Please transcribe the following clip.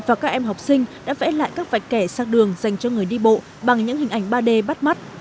và các em học sinh đã vẽ lại các vạch kẻ sát đường dành cho người đi bộ bằng những hình ảnh ba d bắt mắt